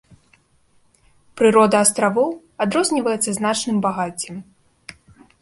Прырода астравоў адрозніваецца значным багаццем.